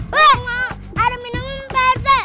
wah ada minuman pak rt